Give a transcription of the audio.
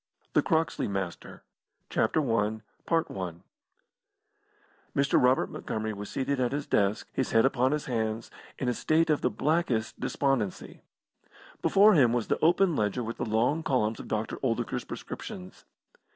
THE CROXLEY MASTER I Mr. Robert Montgomery was seated at his desk, his head upon his hands, in a state of the blackest despondency. Before him was the open ledger with the long columns of Dr. Oldacre's prescriptions.